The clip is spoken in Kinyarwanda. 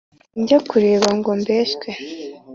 sinjya kureba ngo mbeshye.